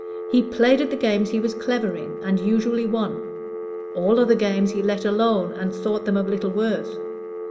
He played at the games he was clever in, and usually won; all other games he let alone, and thought them of little worth.